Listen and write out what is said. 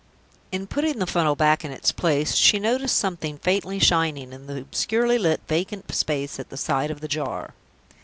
In putting the funnel back in its place, she noticed something faintly shining in the obscurely lit vacant space at the side of the jar.